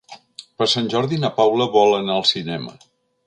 Per Sant Jordi na Paula vol anar al cinema.